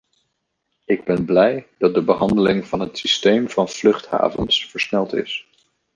Ik ben blij dat de behandeling van het systeem van vluchthavens versneld is.